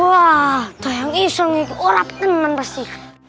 wah tuh yang bisa ngiku urap temen pasti